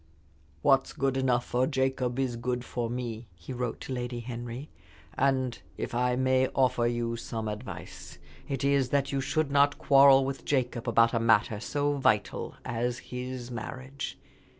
"What's good enough for Jacob is good for me," he wrote to Lady Henry, "and if I may offer you some advice, it is that you should not quarrel with Jacob about a matter so vital as his marriage.